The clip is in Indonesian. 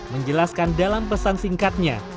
menjelaskan dalam pesan singkatnya